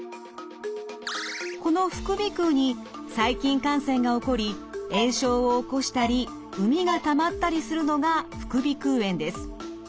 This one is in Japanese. この副鼻腔に細菌感染が起こり炎症を起こしたり膿がたまったりするのが副鼻腔炎です。